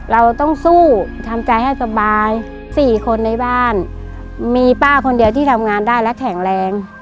เราต้องสู้ทำใจให้สบายสี่คนในบ้านมีป้าคนเดียวที่ทำงานได้และแข็งแรง